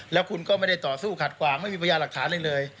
แล้วคุณก็ไม่ได้ต่อสู้ขาดความไม่มีประยะหลักฐานเลยเลย